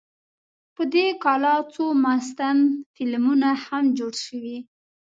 په دې کلا څو مستند فلمونه هم جوړ شوي.